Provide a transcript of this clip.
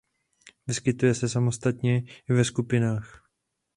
Vyskytuje se samostatně i ve skupinkách.